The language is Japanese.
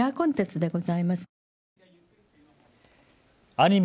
アニメ